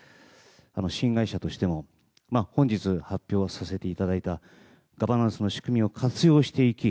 新会社としても本日、発表させていただいたガバナンスの仕組みを活用していき